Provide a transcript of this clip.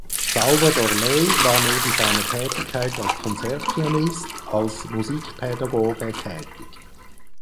Salvador Ley war neben seiner Tätigkeit als Konzertpianist als Musikpädagoge tätig.